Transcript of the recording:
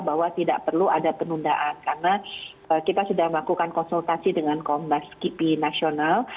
bahwa tidak perlu ada penundaan karena kita sudah melakukan konsultasi dengan kombas kipi nasional